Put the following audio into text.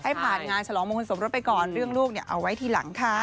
ให้ผ่านงานฉลองมงคลสมรสไปก่อนเรื่องลูกเอาไว้ทีหลังค่ะ